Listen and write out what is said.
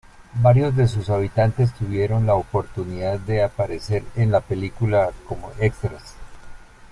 Varios de sus habitantes tuvieron la oportunidad de aparecer en la película como extras.